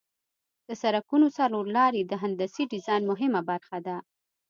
د سرکونو څلور لارې د هندسي ډیزاین مهمه برخه ده